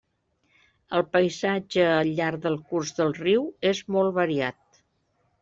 El paisatge al llarg del curs del riu és molt variat.